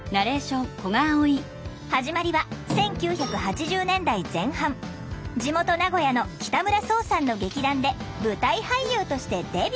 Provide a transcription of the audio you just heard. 始まりは１９８０年代前半地元名古屋の北村想さんの劇団で舞台俳優としてデビュー。